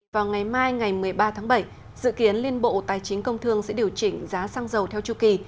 vào ngày mai ngày một mươi ba tháng bảy dự kiến liên bộ tài chính công thương sẽ điều chỉnh giá xăng dầu theo chu kỳ